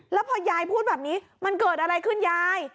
แล้วพอยายพูดแบบนี้มันเกิดอะไรขึ้นยาย